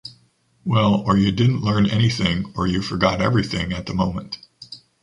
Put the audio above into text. Well or you didn’t learn anything or you forgot everything at the moment.